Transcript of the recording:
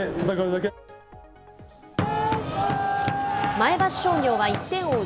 前橋商業は１点を追う